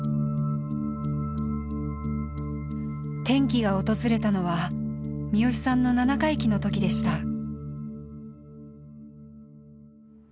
転機が訪れたのは視良さんの七回忌の時でした。